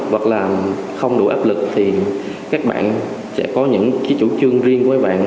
hoặc là không đủ áp lực thì các bạn sẽ có những cái chủ trương riêng của các bạn